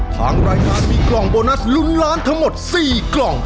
ทางรายการมีกล่องโบนัสลุ้นล้านทั้งหมด๔กล่อง